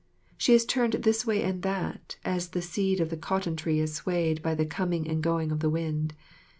She is turned this way and that, as the seed of the cotton tree is swayed by the coming and going of the wind.